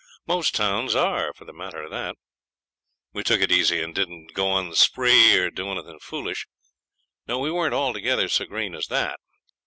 Most towns are, for the matter of that. We took it easy, and didn't go on the spree or do anything foolish. No, we weren't altogether so green as that.